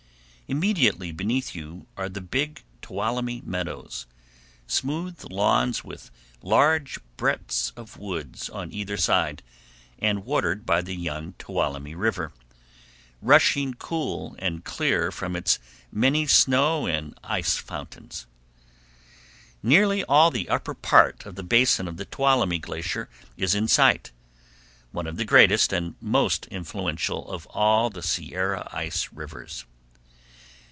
Immediately beneath you are the Big Tuolumne Meadows, smooth lawns with large breadths of woods on either side, and watered by the young Tuolumne River, rushing cool and clear from its many snow and ice fountains. Nearly all the upper part of the basin of the Tuolumne Glacier is in sight, one of the greatest and most influential of all the Sierra ice rivers.